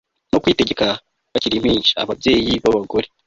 no kwitegeka bakiri impinja Ababyeyi babagore